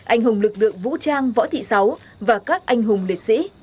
anh hùng lực lượng vũ trang võ thị sáu và các anh hùng liệt sĩ